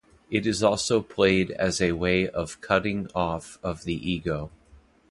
It is also played as a way of cutting off of the ego.